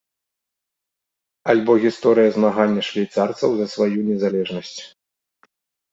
Альбо гісторыя змагання швейцарцаў за сваю незалежнасць.